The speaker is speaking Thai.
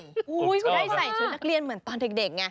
เขาได้ใส่ชุดนักเรียนเหมือนตอนเด็กไง